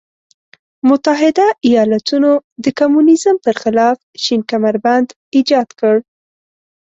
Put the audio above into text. متحده ایالتونو د کمونیزم پر خلاف شین کمربند ایجاد کړ.